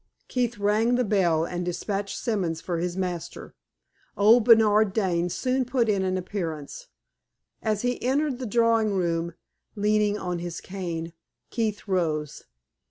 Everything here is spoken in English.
Keith rang the bell and dispatched Simons for his master. Old Bernard Dane soon put in an appearance. As he entered the drawing room leaning on his cane, Keith rose.